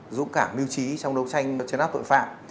dũng cảm mưu trí trong đấu tranh chấn áp tội phạm